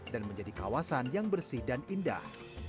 dan menjadi kawasan yang bersih dan indah